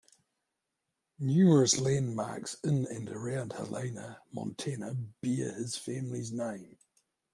Numerous landmarks in and around Helena, Montana bear his family's name.